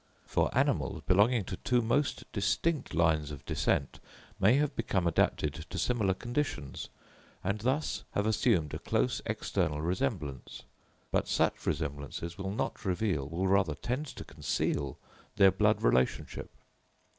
For animals, belonging to two most distinct lines of descent, may have become adapted to similar conditions, and thus have assumed a close external resemblance; but such resemblances will not reveal—will rather tend to conceal their blood relationship.